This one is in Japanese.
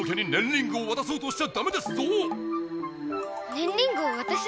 ねんリングをわたす？